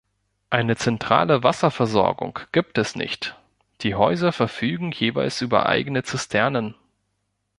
Eine zentrale Wasserversorgung gibt es nicht, die Häuser verfügen jeweils über eigene Zisternen.